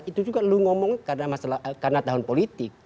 itu juga lu ngomong karena tahun politik